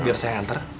biar saya yang antar